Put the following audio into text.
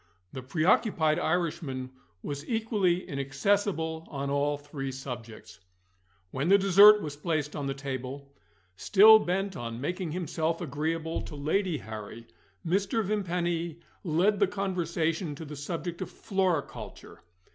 The preoccupied Irishman was equally inaccessible on all three subjects. When the dessert was placed on the table still bent on making himself agreeable to Lady Harry Mr. Vimpany led the conversation to the subject of floriculture.